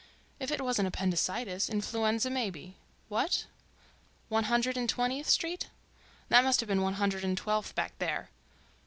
if it wasn't appendicitis, influenza maybe. What? One Hundred and Twentieth Street? That must have been One Hundred and Twelfth back there.